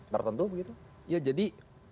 tertentu begitu ya jadi